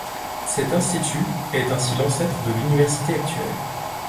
Cet institut est ainsi l'ancêtre de l'université actuelle.